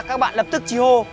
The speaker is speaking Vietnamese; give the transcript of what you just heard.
các bạn lập tức chi hô